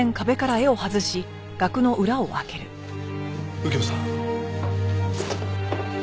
右京さん。